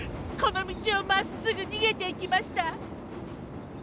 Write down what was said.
この道をまっすぐにげていきました。